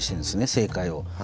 正解を。